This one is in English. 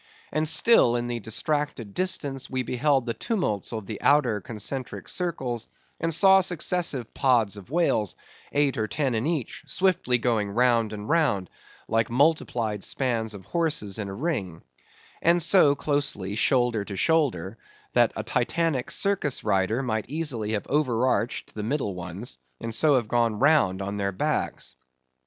And still in the distracted distance we beheld the tumults of the outer concentric circles, and saw successive pods of whales, eight or ten in each, swiftly going round and round, like multiplied spans of horses in a ring; and so closely shoulder to shoulder, that a Titanic circus rider might easily have over arched the middle ones, and so have gone round on their backs.